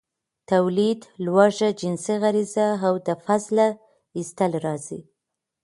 ، توليد، لوږه، جنسي غريزه او د فضله ايستل راځي.